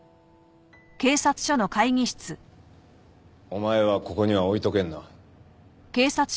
お前はここには置いとけんな。